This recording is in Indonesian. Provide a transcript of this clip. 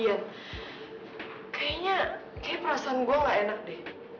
kayaknya perasaan gue gak enak deh